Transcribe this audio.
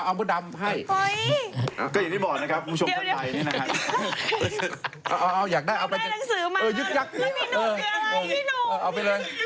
ก็อย่างที่บอกนะครับคุณผู้ชมทั่งใดนะครับ